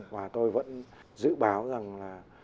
và tôi vẫn dự báo rằng là